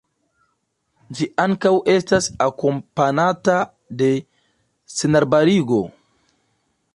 Ĝi ankaŭ estas akompanata de senarbarigo.